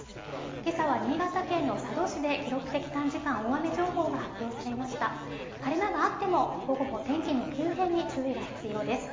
けさは新潟県の佐渡市で記録的短時間大雨情報が発表されました晴れ間があっても午後は天気の急変に注意が必要です